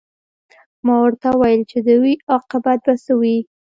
ما ورته وویل چې د دوی عاقبت به څه وي